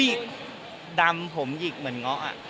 เฮ้ยดำผมหยิกเหมือนเงาะอ่ะ